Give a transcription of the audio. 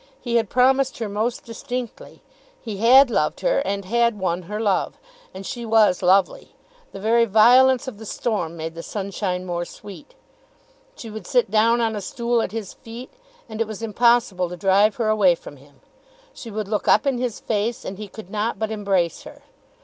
He had promised her most distinctly. He had loved her and had won her love. And she was lovely. The very violence of the storm made the sunshine more sweet. She would sit down on a stool at his feet, and it was impossible to drive her away from him. She would look up in his face and he could not but embrace her.